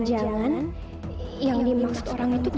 jangan jangan yang dimaksud orang itu gue